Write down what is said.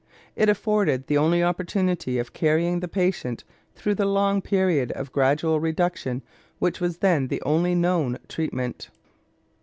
It afforded the only opportunity of carrying the patient through the long period of gradual reduction which was then the only known treatment.